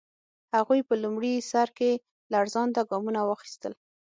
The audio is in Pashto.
هغوی په لومړي سر کې لړزانده ګامونه واخیستل.